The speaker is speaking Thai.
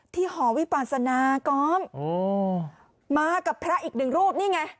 หอวิปาศนาก๊อฟมากับพระอีกหนึ่งรูปนี่ไง